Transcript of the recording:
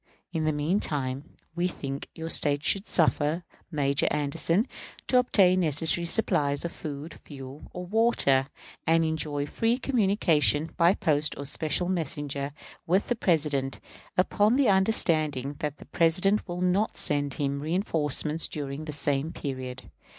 In the mean time, we think your State should suffer Major Anderson to obtain necessary supplies of food, fuel, or water, and enjoy free communication, by post or special messenger, with the President; upon the understanding that the President will not send him reënforcements during the same period.